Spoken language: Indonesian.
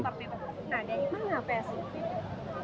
nah dari mana psu